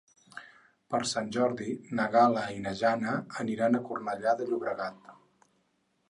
Per Sant Jordi na Gal·la i na Jana aniran a Cornellà de Llobregat.